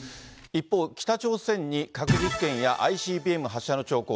一方、北朝鮮に核実験やＩＣＢＭ発射の兆候。